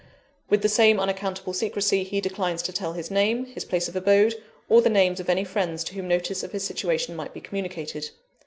With the same unaccountable secrecy, he declines to tell his name, his place of abode, or the names of any friends to whom notice of his situation might be communicated.